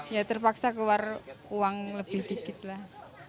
ya terpaksa keluar uang lebih dikit lah